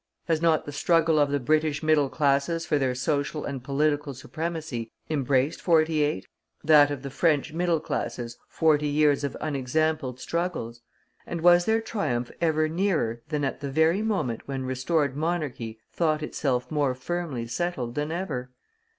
Has not the struggle of the British middle classes for their social and political supremacy embraced forty eight, that of the French middle classes forty years of unexampled struggles? And was their triumph ever nearer than at the very moment when restored monarchy thought itself more firmly settled than ever?